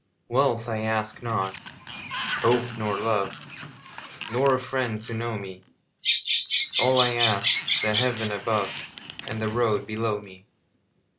Wealth I ask not, hope nor love, Nor a friend to know me; All I ask, the heaven above And the road below me.